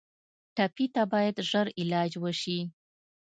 ټپي ته باید ژر علاج وشي.